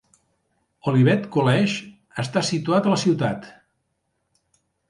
Olivet College està situat a la ciutat.